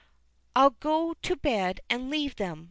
"I'll go to bed and leave them!"